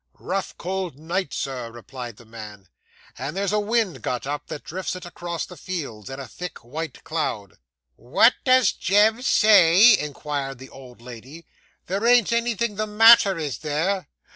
'Rough, cold night, Sir,' replied the man; 'and there's a wind got up, that drifts it across the fields, in a thick white cloud.' 'What does Jem say?' inquired the old lady. 'There ain't anything the matter, is there?